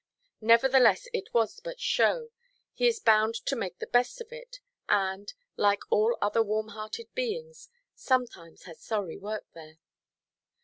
Nevertheless, it was but show: he is bound to make the best of it, and, like all other warm–hearted beings, sometimes has sorry work there.